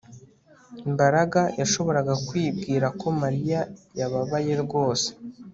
Mbaraga yashoboraga kubwira ko Mariya yababaye rwose